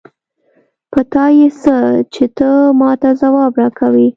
په تا يې څه؛ چې ته ما ته ځواب راکوې.